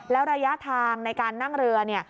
แล้วระยะทางในการนั่งเรือเนี่ย